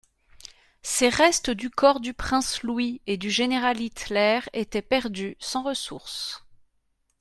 Ces restes du corps du prince Louis et du général Hitler étaient perdus sans ressource.